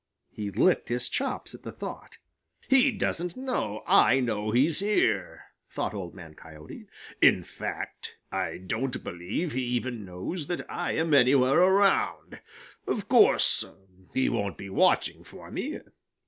He licked his chops at the thought. "He doesn't know I know he's here," thought Old Man Coyote. "In fact, I don't believe he even knows that I am anywhere around. Of course, he won't be watching for me.